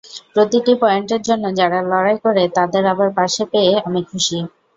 প্রতিটি পয়েন্টের জন্য যারা লড়াই করে তাদের আবার পাশে পেয়ে আমি খুশি।